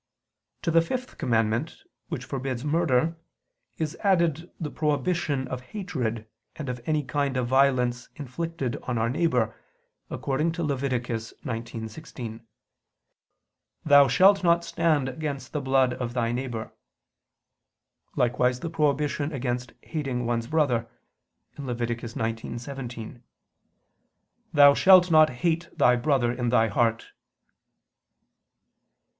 To the fifth commandment, which forbids murder, is added the prohibition of hatred and of any kind of violence inflicted on our neighbor, according to Lev. 19:16: "Thou shalt not stand against the blood of thy neighbor": likewise the prohibition against hating one's brother (Lev. 19:17): "Thou shalt not hate thy brother in thy heart."